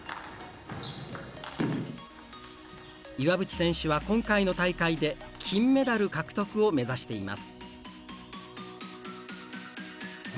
岩渕選手は今回の大会で金メダル獲得を目指しています。